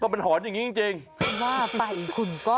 มันหอนอย่างนี้จริงจริงว่าไปคุณก็